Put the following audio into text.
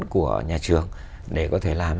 của nhà trường để có thể làm